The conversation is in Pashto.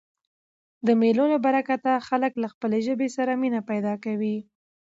د مېلو له برکته خلک له خپلي ژبي سره مینه پیدا کوي.